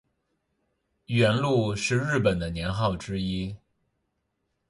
元禄是日本的年号之一。